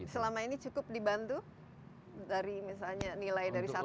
selama ini cukup dibantu dari misalnya nilai dari satu